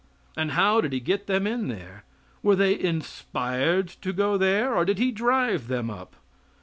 And how did he get them in there? Were they inspired to go there, or did he drive them up?